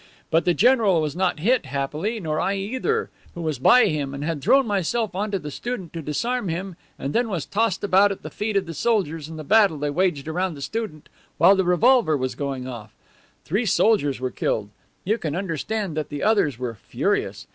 But the general was not hit, happily, nor I either, who was by him and had thrown myself onto the student to disarm him and then was tossed about at the feet of the soldiers in the battle they waged around the student while the revolver was going off. Three soldiers were killed. You can understand that the others were furious.